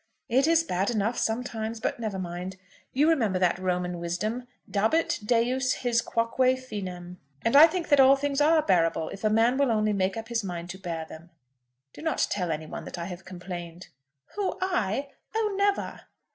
"It is bad enough sometimes. But never mind. You remember that Roman wisdom, 'Dabit Deus his quoque finem.' And I think that all things are bearable if a man will only make up his mind to bear them. Do not tell any one that I have complained." "Who, I? Oh, never!"